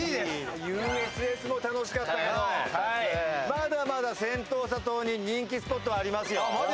まだまだセントーサ島に人気スポットはありますよ。